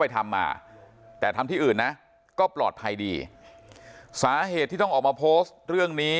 ไปทำมาแต่ทำที่อื่นนะก็ปลอดภัยดีสาเหตุที่ต้องออกมาโพสต์เรื่องนี้